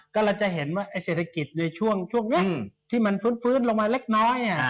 ก็เราจะเห็นว่าเศรษฐกิจในช่วงนี้ที่มันฟื้นลงมาเล็กน้อย